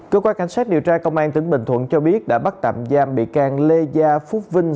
cơ quan cảnh sát điều tra công an tỉnh bình thuận cho biết đã bắt tạm giam bị can lê gia phúc vinh